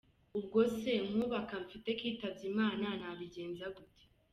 Ubwo se nk’ubu aka mfite kitabye Imana nabigenza gute?».